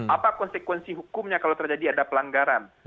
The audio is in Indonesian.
apa konsekuensi hukumnya kalau terjadi ada pelanggaran